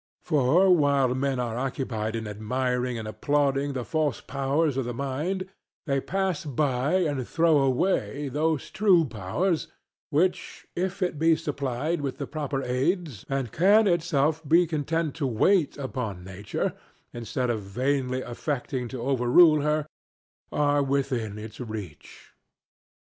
For while men are occupied in admiring and applauding the false powers of the mind, they pass by and throw away those true powers, which, if it be supplied with the proper aids and can itself be content to wait upon nature instead of vainly affecting to overrule her, are within its reach.